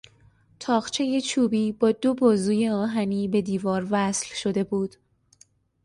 تاقچهی چوبی با دو بازوی آهنی به دیوار وصل شده بود.